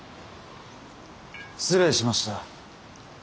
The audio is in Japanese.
失礼しました。